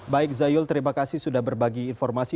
baik zayul terima kasih sudah berbagi informasi